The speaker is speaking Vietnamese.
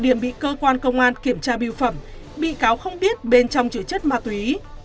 điểm bị cơ quan công an kiểm tra biêu phẩm bị cáo không biết bên trong chứa chất ma túy